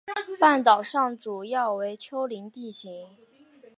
半岛上主要为丘陵地形。